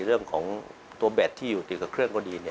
เรื่องแบตที่ถือเครื่องก็ดี